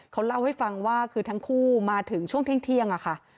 เขาเล่าให้ฟังว่าคือทั้งคู่มาถึงช่วงเที่ยงค่ะ